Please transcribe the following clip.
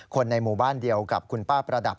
คนในหมู่บ้านเดียวกับคุณป้าประดับ